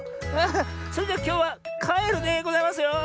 それじゃきょうはかえるでございますよ。